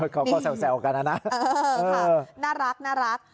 เขาก็แซวกันนะนะน่ารัก